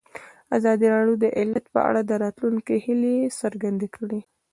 ازادي راډیو د عدالت په اړه د راتلونکي هیلې څرګندې کړې.